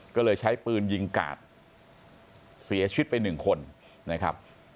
ก็เลยใช้ปืนยิงกาดเสียชีวิตไปหนึ่งคนนะครับ